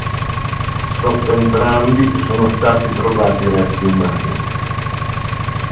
Sotto entrambi sono stati trovati resti umani.